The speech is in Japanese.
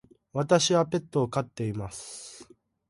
私はペットを飼っています。